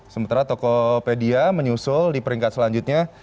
sementara tokopedia menyusul di peringkat selanjutnya